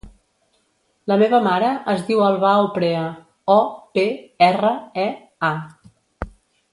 La meva mare es diu Albà Oprea: o, pe, erra, e, a.